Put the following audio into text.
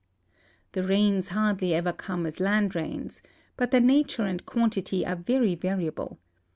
The rains hardly ever corneas land rains, but their nature and quantity are very variable.